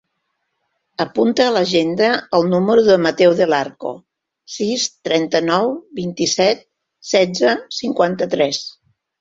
Apunta a l'agenda el número del Matteo Del Arco: sis, trenta-nou, vint-i-set, setze, cinquanta-tres.